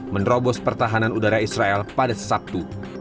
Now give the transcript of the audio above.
menerobos pertahanan udara israel pada sabtu